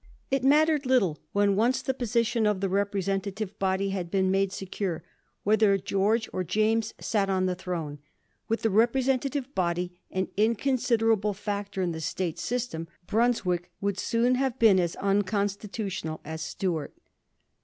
It mattered little, when once the position of the representative body had been made secure, whether George or James sat on the throne. With the repre sentative body an inconsiderable factor in the State system, Bnmswick would soon have been as uncon stitutional as Stuart.